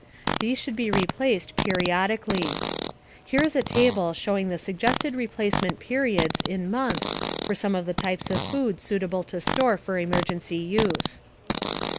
These should be replaced periodically. Here is a table showing the suggested replacement periods, in months, for some of the types of food suitable to store for emergency use.